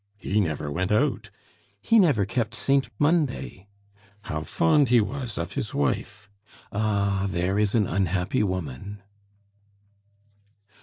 "He never went out." "He never kept Saint Monday." "How fond he was of his wife!" "Ah! There is an unhappy woman!"